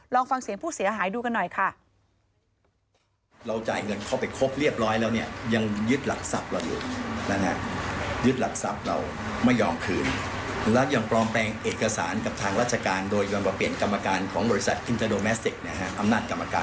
ลองฟังเสียงผู้เสียหายดูกันหน่อยค่ะ